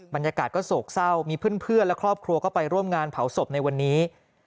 บรรยากาศก็โศกเศร้ามีเพื่อนและครอบครัวก็ไปร่วมงานเผาศพในวันนี้